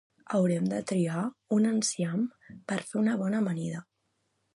Haurem de triar un enciam per fer una bona amanida